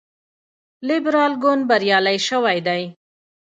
لیبرال ګوند بریالی شوی دی.